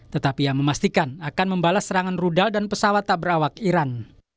tetapi ia memastikan akan membalas serangan rudal dan pesawat tabrawak iran